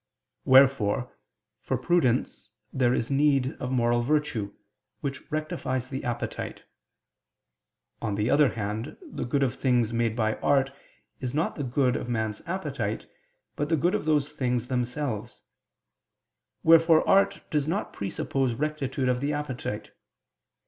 Wherefore, for prudence there is need of a moral virtue, which rectifies the appetite. On the other hand the good of things made by art is not the good of man's appetite, but the good of those things themselves: wherefore art does not presuppose rectitude of the appetite.